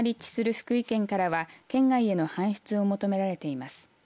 福井県からは県外への搬出を求められています。